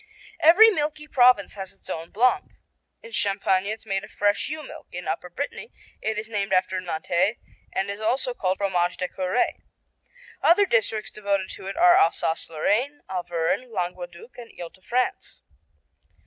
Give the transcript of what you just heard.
Every milky province has its own Blanc. In Champagne it's made of fresh ewe milk. In Upper Brittany it is named after Nantes and also called Fromage de Curé. Other districts devoted to it are Alsace Lorraine, Auvergne, Languedoc, and Ile de France.